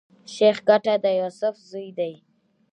شېخ ګټه د يوسف زوی دﺉ.